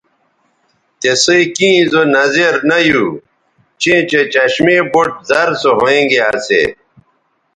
تِسئ کیں زو نظر نہ یو چیں چہء چشمے بُٹ زر سو ھوینگے اسی